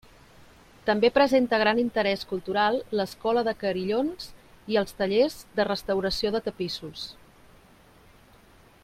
També presenta gran interès cultural l'Escola de Carillons i els tallers de restauració de tapissos.